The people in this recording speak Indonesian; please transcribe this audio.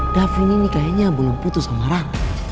davin ini kayaknya belum putus sama rara